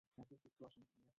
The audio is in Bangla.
মা, বাবা!